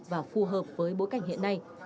và phù hợp với bối cảnh hiện nay